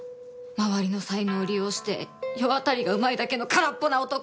周りの才能を利用して世渡りがうまいだけの空っぽな男だって！